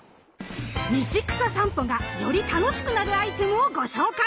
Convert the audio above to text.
道草さんぽがより楽しくなるアイテムをご紹介！